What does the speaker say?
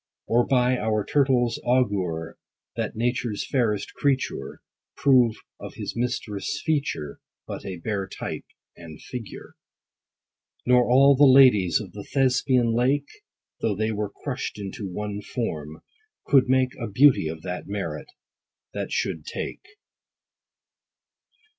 Or, by our Turtle's augure, That nature's fairest creature Prove of his mistress' feature But a bare type and figure. Nor all the ladies of the Thespian lake, (Though they were crushed into one form) could make A beauty of that merit, that should take.